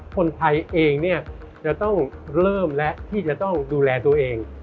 คนไทยเองเนี่ยจะต้องเริ่มและที่จะต้องดูแลตัวเอง